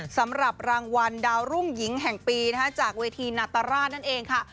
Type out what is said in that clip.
สำหรับรางวัลดาวรุ่งหญิงแห่งปีจากเวทีนาตราชนั่นเองค่ะ